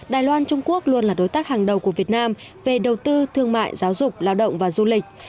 đài loan trung quốc luôn là đối tác hàng đầu của việt nam về đầu tư thương mại giáo dục lao động và du lịch